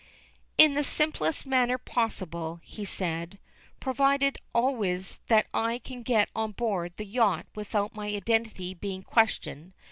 "In the simplest manner possible," he said, "provided always that I can get on board the yacht without my identity being questioned.